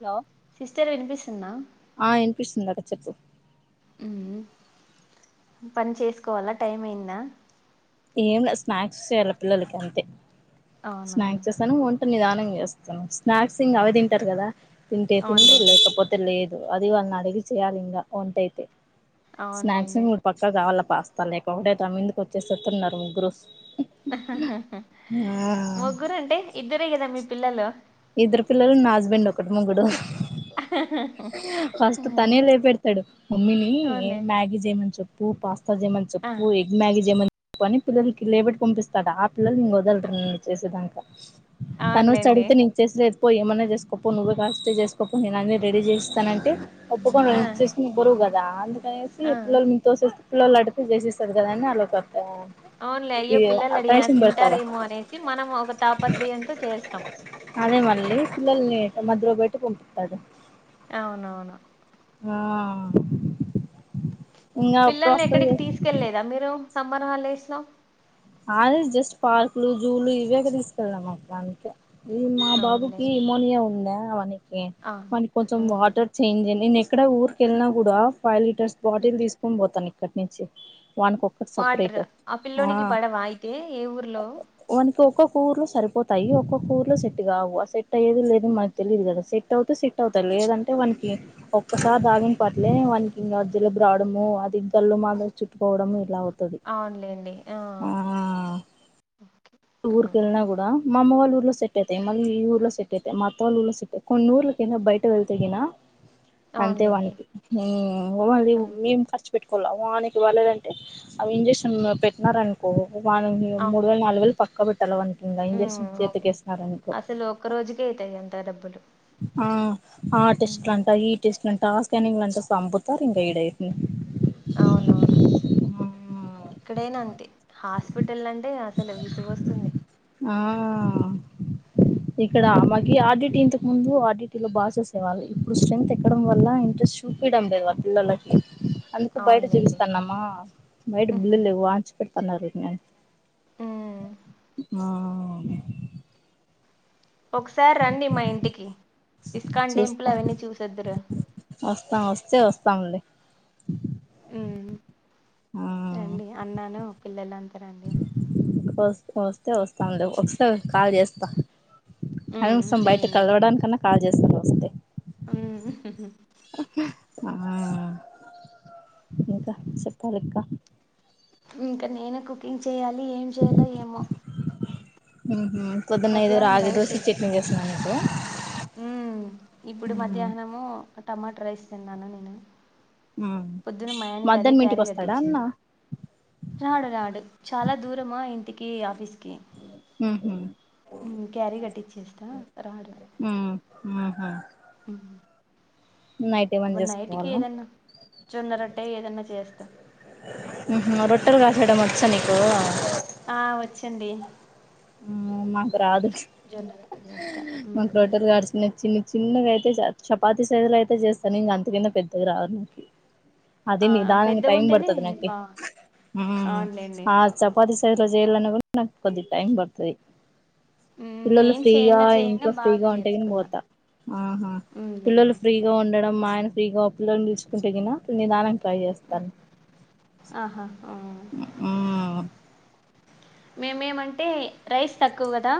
Hello sister వినిపిస్తుందా పిస్తుంది ఆట చెప్పు మ్ మ్ పని చేసుకోవాలా టైం అయిందా ఏం లే స్నాక్స్ చేయాలి పిల్లలకి అంతే అవునా స్నాక్స్ చేస్తాను వంట నిదానం స్నాక్స్ ఇంగ అవే తింటారు కదా తింటే తినుల్లి అవునులేండి లేకపోతే లే దు అది వాళ్ళని అడిగి చేయాలి ఇంగ వంటైతే స్నాక్స్ అ అవునులేండి ఇంగ పక్కా కావాల పాస్తా లేకుంటే [unintelligible] స్తున్నారు ముగ్గురు ముగ్గురంటే ఇద్దరే కదా మీ పిల్లలు ఇద్దరు పిల్లలు నా హస్బెండ్ ఒక్కడు ముగ్గుడు ఫస్ట్ తనే ఎల్లా పెడుతాడు మమ్మీని అవునులేండి మ్యాగీ చేయమని చేప్ ప్పు పాస్తామన్ ఆ చెప్పు ఎగ్ మ్యాగి పని పిల్లలకి లేబెడి పంపిస్తాడు ఆ పిల్లలు ఇంగ వదలరు నన్ను చేసేదాక అన్లేడి స్ లేదుపో ఏమన్నా చేసుకపో నువ్వే పాస్త చేసుకపో నేను అన్నీ రెడీ చేస్తానంటే ఒప్పుకొను ఆ నిను చేసింది బరువు కదా అందుకనేసి ఆ పిల్లల మీద తోసేస్ పిల్లలడుగుతే చేేసిస్తది కద అని అల్లతో అవున్లే అయ్యో పిల్లలు అడిగినారు పెడతాడు తింటారేమో అనేసి మనం ఒక తాపత్రయంతో చేస్తాం అదే మళ్ళ పిల్లల్ని మ్మ్. మద్య లో పెట్టి పంపిస్తాడు అవునవును ఆ ఇంగా అప్పుడు పిల్లల్ని వస్తది ఎక్కడికి తీసుకెళ్ళలేదా మీరు సమ్మర్ హాలిడేస్ లో అది జస్ట్ పార్కులు జూలు ఇవేక్ తీసుకెళ్దాం అక్క అంతే ఇ మా బాబుకి అవునులేండి ఎమోనియా ఉందా వానికి ఆ వానికి కొంచెం మ్మ్, వాటర్ చేంజ్ అయి నేను ఎక్కడ ఊరికేళ్ళినా కూడా ఫైవ్ లీటర్స్ బాటిల్ తీసుకొని పోతాను ఇక్కడి నుంచి వానికోక్కటి వాటర్ సపరేట్ ఆ పిల్లోనికి పడవా అయితే ఏ ఊర్లో వానికి ఒక్కొక్క ఊర్లో సరిపోత్ తాయి ఒక్కఊరిలో సెట్ కావు ఆ సెట్ అయ్యేది లేనిది మనకు తెలియదు కదా సెట్ అవుతే సెట్ అవుతాయి లేదంటే వాన్ నికి ఒక్కసారి తాగిన పట్లే వాకి ఇంగ జలుబురాడము అది గల్లు మాది చుట్ కోవడం ఇలా అవుతది అవునులేండి ఆ హ్మ్. ఊరికేళ్ళినా కూడా మా అమ్మ వాళ్ళు ఊర్లో సెట్ అయితయి మళ్ళి ఈ ఊర్లో సెట్ అయితయి మ అత్తయ్య వాళ్ళ ఊర్లో సెటై కొన్ని ఊర్ల కిన బయట వెల్తేగినా అంతే అవునులేండి వానికి మ్ వాళ్ళు హ్మ్. మేము ఖర్చు పెట్టు కోలా వానకి బలేదంటే అవి ఇంజక్షన్ పెట్టినారనుకో వా మూడు అవును వేలు నాలుగు వేలు టాలె వానికింగ ఇంజెక్షన్ హ్మ్. అవును చేతికేసినారనుకో అసలు ఒక్క రోజుకే అవుతాయి అంత డబ్బులు ఆ ఆ టెస్ట్ లంట హ్మ్. ఈ టెస్ట్ లంటా ఆ స్కానింగ్ లంటా సంపుతారు ఇంగ ఈడైతె అవునవును ఇక్కడైనా అంతే హాస్పిట్ టలంటే అసలు విసుగోస్తుంది ఆ ఇక్కడ అమగి ఆర్డిట్ ఇంతకు ముందు ఆడిట్ లో బాగా చేసేవాళ్ళు ఇప్పుడు స్ట్రెంత్ ఎక్కడం వల్ల స్ చూపియడం లేదు అ పిల్లలకి అందుకు బయట అవునులేండి చూపిస్తున్నామా బయట హుహు. బిల్లిల్ లేవు వాచ్ పెడుతున్నారులె అని హ్మ్. అవును ఒకసారి రండి మా ఇంటికి ఇస్కాన్ టెంపుల్ అవన్నీ చూసెద్దురు. వస్తా వస్తే వస్తా మ్ ఆ రండి అన్నాను పిల్లల అంతా రండి వస్ వస్తే వస్తానులే వస్తే కాల్ చేస్తా హ్మ్. కనీసం బయట కలవడానికన్నా కాల్ చేస్తాను వస్తే మ్ హ్హ్హ్ ఆ ద సెప్పాలక్క ఇంకా నేనే కుకింగ్ చేయాలి, ఏం చేయాలో ఏమో ఉహు పొద్దున్న ఐదు మధ్యాహ్నం రాగి దోసి చట్నీ చేస్తున్నాను నీకు మ్ ఇప్పుడు మధ్యాహ్నము టమాటా రైస్ తిన్నాను నేను మ్ పొద్దున మా ఆయనకి అదే మధ్యానం ఇంటికి క్యారీ వస్తాడా అన్న? కట్టించింది రాడు నాడు చాలా దూరమా ఇంటికి కి ఆఫీస్ కి ఉహు మ్ క్యారీ కట్టిచ్చేస్తా రాడు ఉ ఉహు నైట్ ఏమన్నా ఇప్పు నైటికి చేసుకోవాలా ఏదన్నా జొన్నరొట్టే ఏదన్నా చేస్తా ఉహు రొట్టలు కాల్చడం వచ్చా నీకు? ఆ వచ్చండి ఆ మాకు రాదు జొన్న రొట్టె చేస్తా మాకు ఉమ్, రోట్టెల్ గడిచిన చిన్ని చిన్నగా అయితే చాలు చపాతి సైజలో అయితే చేస్తాను. ఇంక అంతకన్న పెద్దగా రాదు నాకి అది ఆ నిదానంగా పెద్దగా టైమ్ ఉంటేనే బడుతుది నాకి బా ఉమ్ అవునులేండి ఆ చపాతిస్ అది ఎట్లా చేయాలన్నా కూడా నాకు కొద్ది టైం పడుతది. ఉమ్, పిల్లలు నేను ఫ్రీగా చేయంగా చేయంగా ఇంట్లో బాగా ఫ్రీగా ఉంటేగిని నేర్చుకున్నా పోతా ఆహా ఉమ్, పిల్లలు లేండి ఫ్రీగా ఉండడం మా ఆయన ఫ్రీగా పిల్లలు నిలుచుకుంటే గినా నిదానం ట్రై చేస్తాను ఆహా ఆ ఉఊ మేమంటే రైస్ తక్కువ కదా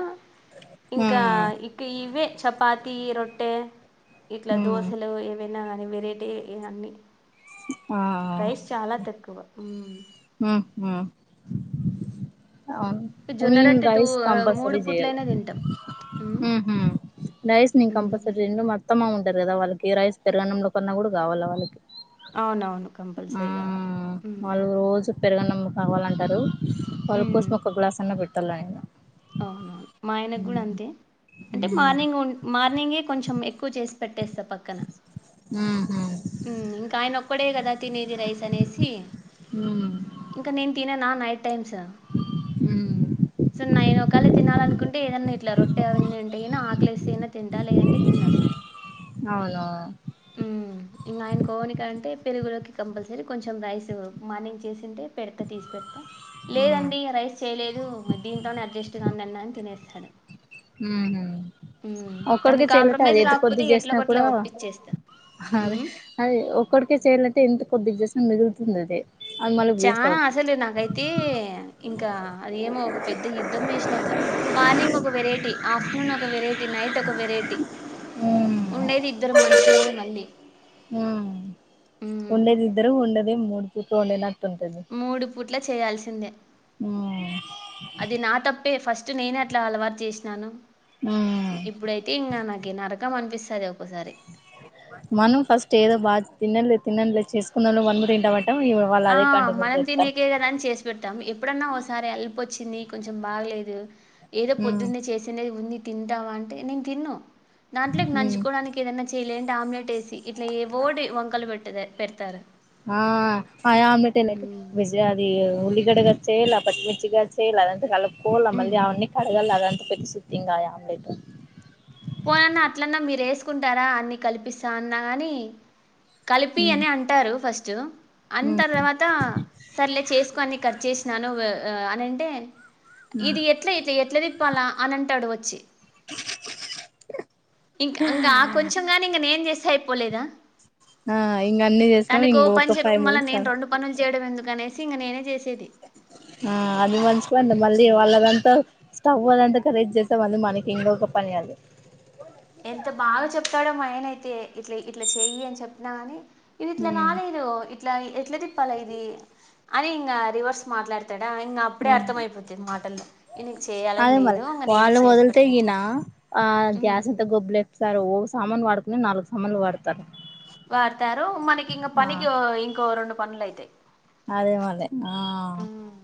ఇంకా మ్మ్ ఇక ఇవే చపాతీ, రొట్టె ఇట్లా మ్మ్ దోశలు ఏమైనా గానీ వెరైటీ ఇంగన్నీ ఆ రైస్ చాలా తక్కువ ఉ ఉహు అవును జొన్న మిన్ రొట్టె టూ రైస్ ఆహ్, కంపల్సరి చేయాల పూట్లైనా తింటాం. హ్మ్. ఉహు డైస్ నేను హ్మ్. కంపల్సరి రెండు మాకు అత్త, మామ ఉంటారు కదా వాళ్ళకి రైస్ పెరగన్నంలో కన్నా కూడా కావాలా వాళ్ళకి అవునవును కంపల్సరీ కావాలి మ్మ్ ఉ వాళ్ళు రోజు పెరుగన్నం కావాలంటారు వాళ్ళ హ్మ్. కోసం ఒక గ్లాస్ అన్నా పెట్టాల ఇగ అవునవును మా ఆయనకు కూడా అంతే అంటే ఉ మార్నింగ్ ఉన్ మార్నింగే కొంచెం ఎక్కువ చేసి పెట్టేస్త పక్కన ఉహు మ్ ఇంకా ఆయన ఒక్కడే కదా తినేది రైస్ అనేసి హ్మ్ ఇంక నేను తిననా నై టైమ్స హ్మ్ స నైను కళ తినాలనుకుంటే ఏదన్నా ఇట్లా రొట్టే అవన్నీ ఉంటే గిన ఆకలేస్తే గిన తింటా లేదంటే తిన్ అసలు అవున్ మ్ ఇంగ ఆయన కోని కర అంటే పెరుగులోకి కంపల్సరీ కొంచెం రైస్ మార్నింగ్ చేసింటే పెడతా తీసి పెడతా లేదండి రైస్ చేయలేదు దీంట్లోనే అడ్జస్ట్గాందన్న తినేస్తాడు. మ్హ మ్మ్ ఒక్కడిక తను చెయలేట అది కాంప్రమైజ్ ఎద్ది కొద్ది కాకపోతే ఎట్లా చేసినా గొట్లా కూడా ఒప్పించేస్తా హదే మ్మ్ అది ఒక్కడికే చేయాలంటే ఇంత కొద్ది దశం మిగులుతుంది అది అది మళ్ళీ వేస్ట్ చనా అవుతది అసలే నాకైతే ఇంకా అదేమో ఒక పెద్ద యుద్ధం చేసినట్ల మార్నింగ్ ఒక పు వెరైటీ ఆఫ్టర్నూన్ ఒక వెరైటీ, నైట్ ఒక వెరైటీ హ్మ్ ఉండేది ఇద్దరు మనుషు ట్లమే మళ్ళీ హ్మ్ మ్మ్ ది తోలేనా మూడు పూట్ల చేయాల్సిందే హ్మ్ అది నా తప్పే ఫస్ట్ నేనే అట్లా అలవాటు చేసినాను. హ్మ్ ఇప్పుడైతే ఇంగ నాకే నరకం అనిపిస్ మనం ఫస్ట్ ఏదో బా తిన్నళ్లే తిన్నలేదు చేసుకున్నాలో వందమురి తింటవా ఆ మనం తినేకే కదా అని చేసి పెడతాం ఎప్పుడన్నా ఓసారి అల్పోచ్చింది. కొంచెం బాగలేదు ఏదో హ్మ్ పొద్దున్నే చేసిన్నేది ఉంది తింటావా అంటే నేను తిన్ను దాంట్లోకి హ్మ్ నంచుకోవడానికి ఏదైన్నా చేయలేం టమ్లెట్ ఏసి ఇట్లా ఏ ఓటి వంకలు పెట్టదే పెడతారన్ ఆ అ ఆమ్లెట్ తినేది వెజ మ్మ్ అది ఉల్లిగడ్డ కట్ చేయలా, పచ్చిమిర్చి కట్ చేయ్యలా అదంతా కలుపుకోవాల మళ్ళీ అవన్నీ కడగాల అదంతా పెప్సీథింగ్ గాలే ఆమ్లెటు పోనన్న అట్లన్నా మీరు వేసుకుంటారా అన్ని కల్పిస్తా అన్న ఆని కలిపి అని అంటారు ఫస్ట్ జో అన్ తర్వాత సర్లే చేసుకుని కట్ చేసినాను వె ఆ అనింటే ఇది ఎట్ల ఎట్ల ఎట్లా తిప్పాలా అని అంటాడు వచ్చి ఇంక అంగ ఆ కొంచెం నాని ఇంగ నేను చేస్సె అయిపోలేదా ఆ ఇంగ అన్ని చేసినాం తనకు ఓ ఇంగ పని ఒక చెప్పి ఫైవ్ మళ్ళీ మినిట్స్ నేను రెండు పనులు చేయడం ఎందుకనేసి ఇంగ నేనే చేసి ఆ అది మంచి పనిలే మళ్ళీ ఉమ్ వల్ళదంతా తవ్వాలంటే కరేక్ట్ చేస్సె వాళ్ళు మనకి ఇంకొక పని జేయల్ది. ఎంత బా చెప్తాడో మా ఆయన అయితే ఇట్ల ఇట్లా చెయ్యి అని చెప్పిన గాని ఇది ఇట్లా ఉమ్ రాలేదు ఇట్లా ఎట్లా తిప్పాలా ఇది అని ఇంకా రివర్స్ మాట్లాడు తడా ఇంగా అప్పుడే ఉమ్ అర్థమయిపోతుంది. మాటల్లో ఈ నీకు చేయాలని అదే మరి లేదు ఇంగ నేనే వాళ్ళు చేసి వదిలితే పెట్టద ఈయన ఆ గ్యాస్ అంత గబ్బు లేపుతారు ఓ సామాను వాడుకుని నాలుగు సామానులు వాడుకు వాడతారు మనకి ఇంగా ఆ పనికి ఇంకో రెండు పనులయితాయి. అదే మళ్ళీ ఆ మ్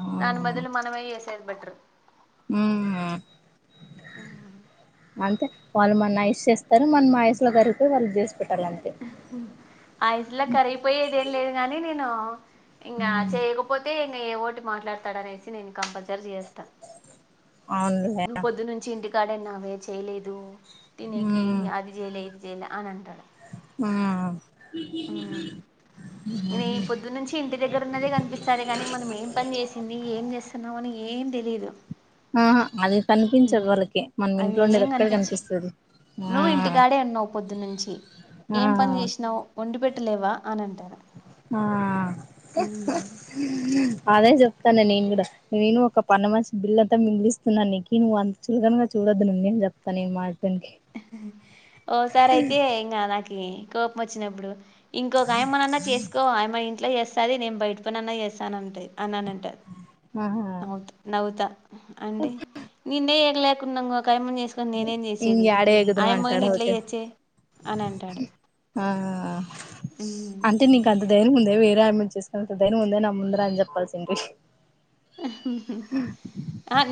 ఆ దాని బదులు మనమె ఏసేది బెటరు మ్హు అంతే వాళ్ళు మన ఐష్ చేస్తారు మనము ఆ ఐస్ లో కరిగిపోయి వాళ్ళు జెస్ ఆహు ఐసులో కరగిపోయేది ఏం లేదు గాని నేను ఇంగా చేయకపోతే ఇంగ ఏ ఓటు మాట్లాడతాడనేసి నేను కంపల్సరీ చేస్తా అవును లే సరే నావే చేయలేదు తినేకి ఉమ్ అది చేయలే ఇది చేయలే అని అంటారు. ఆ నే పొద్దు నుంచి ఇంటి దగ్గర ఉన్నదే కనిపిస్తదే కాని మనం ఏం పని చేసింది, ఏం చేస్తున్నావ్ అని ఏం తెలీదు ఆహా అది కనిపించదు మ్మ్ వాళ్ళకి మనం అవి ఇంట్లో ఏం ఉండేది ఒక్కటి కనిపించవు కనిపిస్తది. ఆ నువ్వు ఇంటికాడే అన్నావ్ పొద్దునుంచి ఆ ఏం పని చేసినావు వండి పె ట్ట లేవా అని అంటారు. ఆ ఉమ్. అదే జెప్ న్న నేను కూడా నేను ఒక పన్న మంచిి బిల్ అంతా మిగిలిస్తున్నాను నీ నువ్వు అంత చులగనగా చూడొదు నీమీ చెప్తా ని మా హస్బెండ్ కి ఓసారి అయితే ఇంకా నాకి కోపం వచ్చినప్పుడు ఇంకొక ఆయమ్మ నాయనా చేసుకో అమ్మే ఇట్లా చేేస్తాది నేను బయట పని అన్నా చేస్తానంటది అన్నా అని అంటాది ఆహా నవుతా నవ్వుతా అంటే ననేే ఎగలేకున్నా ఒకకాయమ్మని చేసుకొని నేనేం ఇంగ చేసేది యాడ ఎగుదును ఆయమ్మయిని అంటాడు ఇట్ల ఓకే చేచ్చే అని అంటాడు ఆ అంటే నీక అంత ధైర్యం ఉంద్ లే వేరే ఆమె చేసుకున్న దైని ముందే నమ్ముందర అని చెప్పాల్సింది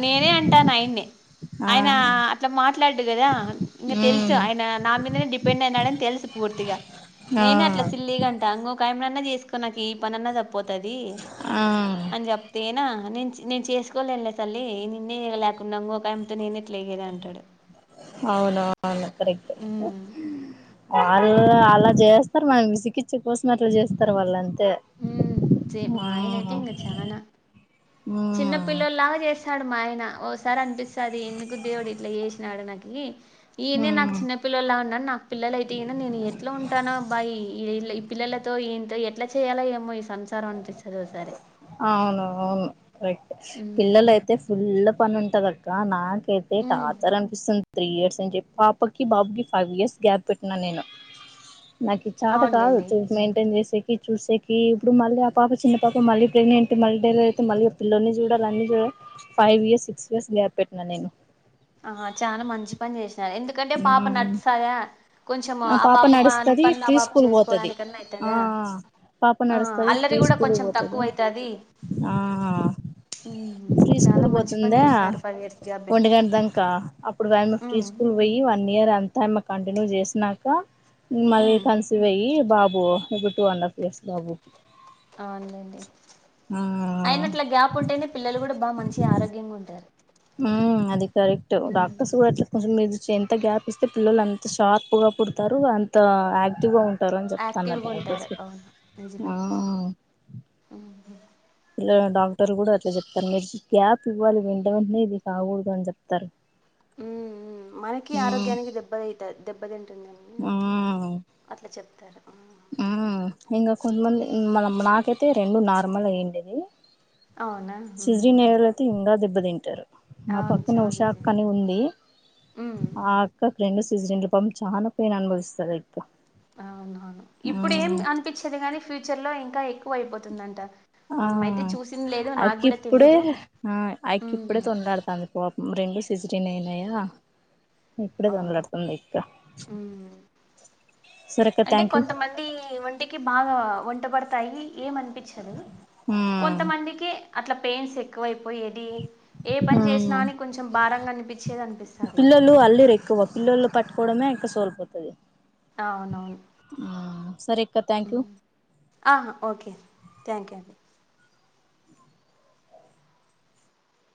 నేనే అంటాను ఆయన్ని ఆ ఆయన అట్లా మార్చ మాట్లాడు కదా ఇంక తెలుసు ఉమ్ ఆయన నా మీదనే డిపెండ్ అయినాడని తెలుసు పూర్తిగా ఆ నేనే అట్లా సిల్లీ గంట ఇంకొక ఆమ్ చేసుకోన్నాకి ఈ పని అన్న తప్పపోతుది ఆ అని చె నా నేను చేసుకోలే తల్లి నైన్ [unintelligible] నేనే క్లియర్ అంటాడు అవును కరెక్ట్ ఉమ్ మ్మ్ వాళ్ళు అలా చేస్తారు మనం విసికిస కోసం అట్లా చేస్తారు వాళ్ళని మ్మ్ మాయన అైతే ఇంక చానా ఉమ్ చిన్న పిల్లల్లాగా చేస్త వస్తాడు మా ఆయన ఓసారి అనిపిస్తుది ఎందుకు దేవుడు ఇట్లా చేసినాడు నాకుకి ఈయనే నాకు ఉమ్ చిన్న పిల్లలులా ఉన్నాను నాకు పిల్లల అయితే ఈయ నేను ఎట్లా ఉంటానో అబ్బా ఈ పిల్లలతో ఈ నాతో ఎలా చేయాలో ఏమో ఈ సంసారం అనిపిస్తది ఓసారి. అవును అవును ర హ్మ్. పిల్లలయితే ఫుల్ పని ఉంటద అక్క నాకైతే హ్మ్. టాతర్ అనిపిస్తుంది త్రీ ఇయర్స్ అని చెప్పి పాపకి బాబుకిి ఫైవ్ ఇయర్స్ గ్యాప్ పెట్టినా నేను నాకు చాత కాదు అవునులేండి. మెయింటైన్ చేసేకి చూసేకి ఇప్పుడు మల్ల ఆ పాప చిన్న పాప మళ్ళీ ప్రెగ్నంట్ మళ్ళీ డెలివరీ అయితే మళ్ళ ఆ పిల్లల్ని చూడాలి అన్ని చూడాలి five years six years gap పెట్టిన నేను ఆ చాలా మంచి పని చేసినారు ఎందుకంటే పాప నడుస్తాదా కొంచెం ఆ పాప ప నడుస్తది పనులు ఆ ప్రీ పాప స్కూల్ పోతది చేసుకోవడానికన్నా ఆ అయితాదా పాప ఆ నడుస్తది ప్రీ అల్లరి కూడా స్కూల్ కొంచెం పోతది తక్కువ అయితది ఆ ప్రీ చాలా స్కూల్ మంచి పని చేసినారు ఫైవ్ ఇయర్స్ గ్యాప్ పేటి ఇం అప్పుడుమ ఫ్రీ స్కూల్ పోయి వన్ ఇయర్ అంతా కంటిన్యూ చేసినాక మళ్ళీ ఉమ్ కన్సవ్ అయ్యి బాబు ఇప్పుడు టూ అండ్ హాఫ్ ఇయర్స్ బాబు అవునండి ఆ అయినట్ల గ్యాప్ ఉంటేనే పిల్లలు కూడా బాగా మనించి ఆరోగ్యంగా ఉంటారు ఉ అది కరెక్ట్ డాక్టర్స్ కూడా అట్లా కొంచెం మీ ఎంత గ్యాప్ ఇస్తే పిల్లలు అంత షార్ప్ గా పుతారు అంత యాక్టివ్ గా ఉంట పుడతారని చెప్తున్నారు యాక్టివ్గా ఉంటారు డాక్టర్స్ అవును ఆ నిజమే ఉమ్ ఇట్లా డాక్టర్ కూడా అట్లా చెప్తారు మెడి గ్యాప్ ఇవ్వాలి వెంట వెంటనే ఇది కాకూడదు అని చెప్తారు ఉ మనకి ఉమ్ ఆరోగ్యానికి దెబ్బతది దెబ్బతింట ఉంటుంది ఉమ్ అట్లా చెప్తారు ఇంకా కొంతమంది నాకైతే రెండు నార్మల్ అయ్యండేది అవునా ఉమ్ సిజరింగ్ అయిన వాళ్ళు అయితే ఇంకా దెబ్బ తింటారు మా అవును పక్కన చాలా ఉషాక్క నిజమే అని ఉంది ఉమ్ ఆ అక్క ఫ్రెండ్స్ [unintelligible] పన్ చాన పెయిన్ అనుభవిస్తదే [inaudible] అవునవును ఇప్పుడు ఏం అనిపించదు కాని ఫ్యూచర్ లో ఇంకా ఎక్కువ అయిపోతుందంట ఆ మనమయితే చూసింది లేదు నాకు కూడా అక్కిప్పుడే తెలీదు ఆ ఉమ్ అయకిప్పుడే తొండడుతంది ప రెండు సిజెరియన్ అయినాయ ఇప్పుడే అవును తండ్లడుతంది ఆయక్క అంటే కొంతమంది ఒంటికి బాగా వంట పడుతాయి ఏమనిపించదు ఉమ్ కొంతమందికే అట్లా పెన్స్ ఎక్కువై పోయ్యేటియి ఏ పని ఉమ్ చేసినా కని కొంచెం భారంగా అనిపించేదనిపిస్తది పల్రు ఎక్కువ పిళ్ళోళ్ళు పట్కోవడమే ఆయక్క సోల్పోతది అవునవును సరే అక్క థ్యాంక్ యూ ఆ ఓకే థ్యాంక్ యూ అండి